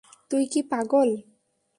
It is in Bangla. তুই কি পাগল?